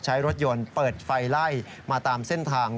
ใช้รถยนต์เปิดไฟไล่มาตามเส้นทาง